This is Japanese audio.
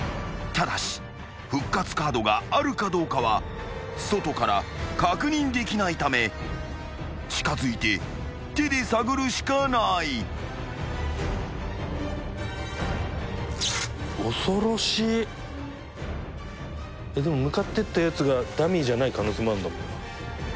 ［ただし復活カードがあるかどうかは外から確認できないため近づいて手で探るしかない］でも向かってったやつがダミーじゃない可能性もある。